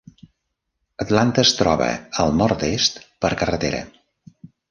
Atlanta es troba al nord-est per carretera.